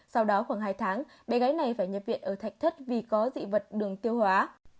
sau đó khoảng hai tháng bé gái này phải nhập viện ở thạch thất vì có dị vật đường tiêu hóa